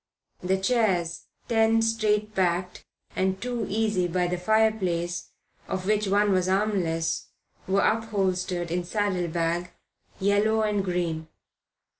The chairs, ten straight backed, and two easy by the fireplace, of which one was armless, were upholstered in saddlebag, yellow and green.